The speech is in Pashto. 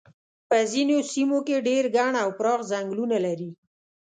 په ځینو سیمو کې ډېر ګڼ او پراخ څنګلونه لري.